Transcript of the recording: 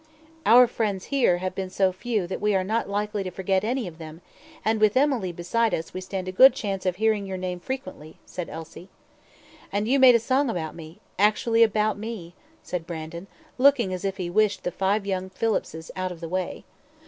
"Our friends here have been so few that we are not likely to forget any of them, and with Emily beside us we stand a good chance of hearing your name frequently," said Elsie. "And you made a song about me actually about me," said Brandon, looking as if he wished the five young Phillipses out of the way.